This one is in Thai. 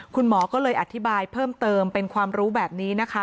คุณหมอก็เลยอธิบายเพิ่มเติมเป็นความรู้แบบนี้นะคะ